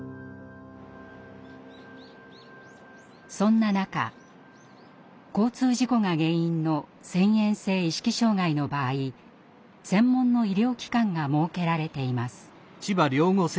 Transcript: そんな中交通事故が原因の遷延性意識障害の場合専門の医療機関が設けられています。